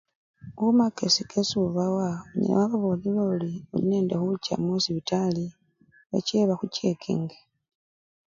Kamakesi kesi obawa, onyala wababolela ori nende khucha mukhosipitali bache bakhuchekinge.